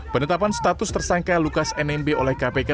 penetapan status tersangka lukas nmb oleh kpk